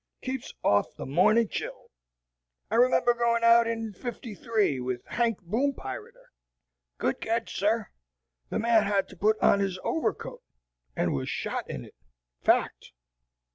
Keeps off the morning chill. I remember going out in '53 with Hank Boompirater. Good ged, sir, the man had to put on his overcoat, and was shot in it. Fact."